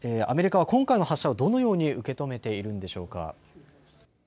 アメリカは今回の発射をどのように受け止めているんでしょうか。